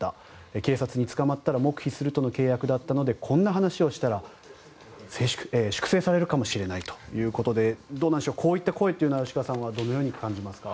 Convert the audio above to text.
警察に捕まったら黙秘するとの契約だったのでこんな話をしたら粛清されるかもしれないということでこういった声というのは吉川さんはどう感じますか。